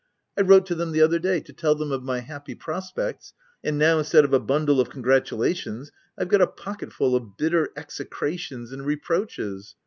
I wrote to them the other day, to tell them of my happy prospects, and now, instead of a bundle of congratulations, I've got a pocket full of bitter execrations and reproaches.